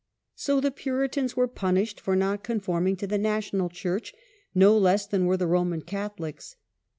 So the Puritans were punished for not conforming to the national church, no less than were the Roman Catholics.